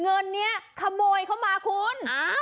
เงินนี้ขโมยเข้ามาคุณ